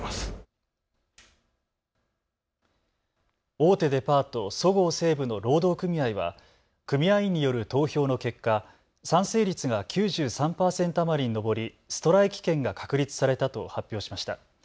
大手デパート、そごう・西武の労働組合は組合員による投票の結果、賛成率が９３％余りに上りストライキ権が確立されたと発表しました。